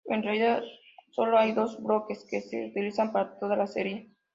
En realidad, solo hay dos bloques que se utilizan para toda la serie.